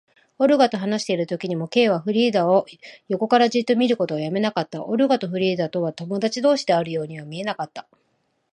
オルガと話しているときにも、Ｋ はフリーダを横からじっと見ることをやめなかった。オルガとフリーダとは友だち同士であるようには見えなかった。